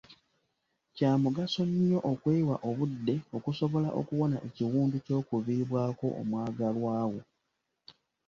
Kya mugaso nnyo okwewa obudde okusobola okuwona ekiwundu ky'okuviibwako omwagalwa wo.